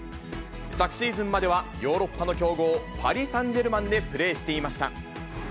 昨シーズンまではヨーロッパの強豪、パリ・サンジェルマンでプレーしていました。